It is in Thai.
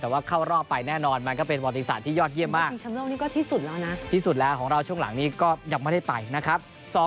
แต่ว่าเข้ารอบไปแน่นอนมันก็เป็นวัติศาสตร์ที่ยอดเยี่ยมมากชิงชำโลกนี้ก็ที่สุดแล้วนะที่สุดแล้วของเราช่วงหลังนี้ก็ยังไม่ได้ไปนะครับ